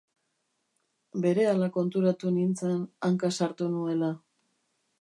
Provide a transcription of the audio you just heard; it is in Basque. Berehala konturatu nintzen hanka sartu nuela.